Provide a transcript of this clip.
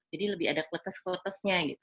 jadi lebih ada kletes kletes